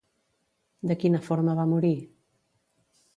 De quina forma va morir?